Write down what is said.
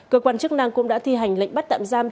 cơ quan chức năng cũng đã thi hành lệnh bắt tạm giam